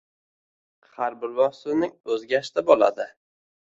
Har bir mavsumning o‘z gashti bo‘ladi.